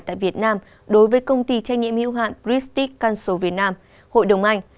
tại việt nam đối với công ty trách nhiệm hữu hạn pristic council việt nam hội đồng anh